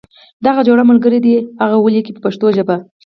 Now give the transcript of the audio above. د هغه جوړه ملګری دې هغه ولیکي په پښتو ژبه.